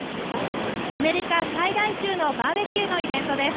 アメリカ最大級のバーベキューのイベントです。